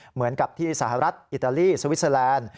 เหมือนกับที่สหรัฐอิตาลีสวิสเตอร์แลนด์